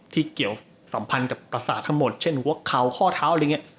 เกี่ยวสัมพันธ์กับประสาททั้งหมดเช่นหัวเข่าข้อเท้าอะไรอย่างนี้